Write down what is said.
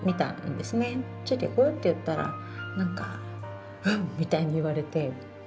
「ついていく？」って言ったら何か「うん！」みたいに言われて。